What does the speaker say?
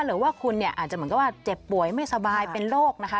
หรือว่าคุณเนี่ยอาจจะเหมือนกับว่าเจ็บป่วยไม่สบายเป็นโรคนะคะ